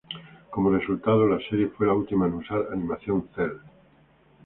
Como resultado, la serie fue la última en usar animación Cel.